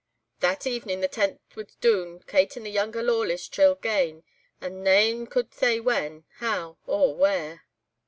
"That evening the tent was doon, Kate and the younger Lawless chiel gane—and nane could say when, how, or where.